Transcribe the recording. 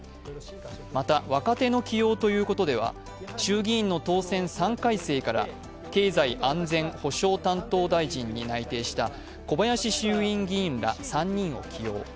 また若手の起用ということでは衆議院の当選３回生から経済安全保障担当大臣に内定した小林衆院議員ら３人を起用。